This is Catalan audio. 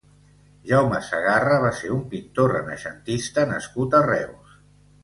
Jaume Segarra va ser un pintor renaixentista nascut a Reus.